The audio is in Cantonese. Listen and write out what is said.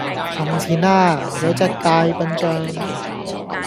從前呀有隻大笨象